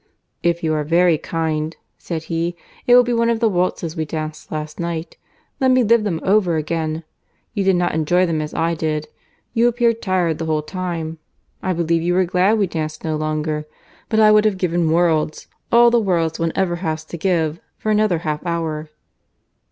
"If you are very kind," said he, "it will be one of the waltzes we danced last night;—let me live them over again. You did not enjoy them as I did; you appeared tired the whole time. I believe you were glad we danced no longer; but I would have given worlds—all the worlds one ever has to give—for another half hour."